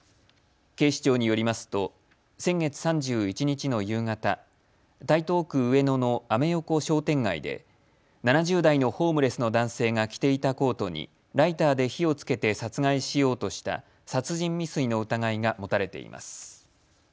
警視庁によりますと先月３１日の夕方、台東区上野のアメ横商店街で７０代のホームレスの男性が着ていたコートにライターで火をつけて殺害しようとした殺人未遂の疑いが持たれています。